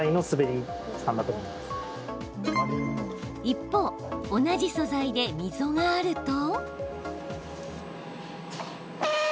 一方、同じ素材で溝があると。